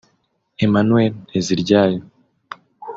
Emmanuel Nteziryayo